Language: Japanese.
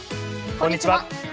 こんにちは。